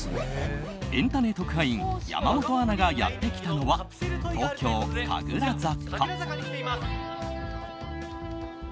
エンたね特派員山本アナがやってきたのは東京・神楽坂。